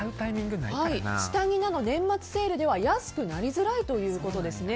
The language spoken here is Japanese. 年末セールでは安くなりづらいということですね。